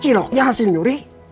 ciloknya hasil nyuri